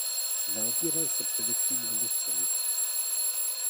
Zaobíral se především emocemi.